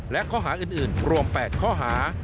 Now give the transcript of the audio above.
และข้อหาอื่นรวม๘ข้อหา